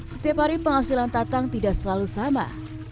setiap hari penghasilan tatang tidak selalu sama